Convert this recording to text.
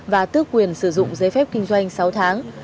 và tước quyền sử dụng giấy phép kinh doanh sáu tháng